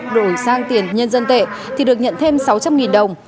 đổi sang tiền nhân dân tệ thì được nhận thêm sáu trăm linh đồng